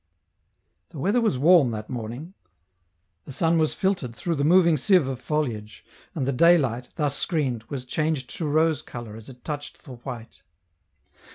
The weather was warm that morning ; the sun was filtered through the moving sieve of foliage, and the day light, thus screened, was changed to rose colour as it touched the white.